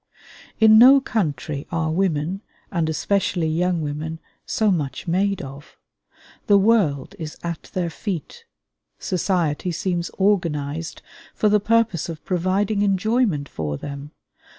In no country are women, and especially young women, so much made of. The world is at their feet. Society seems organized for the purpose of providing enjoyment for them.